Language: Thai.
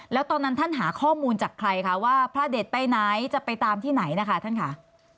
แล้วตอนนั้นท่านหาข้อมูลจากใครคะว่าพระเด็ดไปไหนจะไปตามที่ไหนนะคะท่านค่ะ